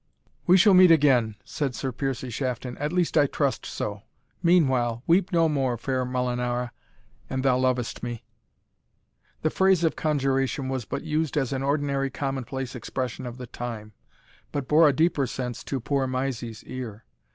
"We shall meet again," said Sir Piercie Shafton, "at least I trust so; meanwhile, weep no more, fair Molinara, an thou lovest me." The phrase of conjuration was but used as an ordinary commonplace expression of the time, but bore a deeper sense to poor Mysie's ear.